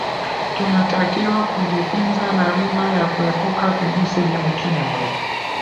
tunatakiwa kujifunza namna ya kuepuka virusi vya ukimwi